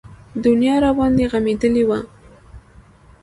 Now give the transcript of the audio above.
دنيا راباندې غمېدلې وه.